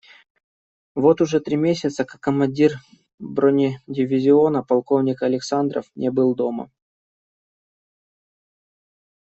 Вот уже три месяца, как командир бронедивизиона полковник Александров не был дома.